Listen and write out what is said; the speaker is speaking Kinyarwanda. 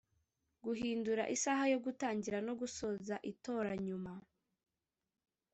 guhindura isaha yo gutangira no gusoza itora nyuma